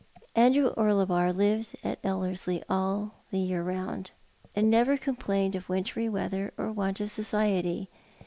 Andrew Orlebar liveil at Ellerslie all the year round, and never complained of wintry weather or want of society.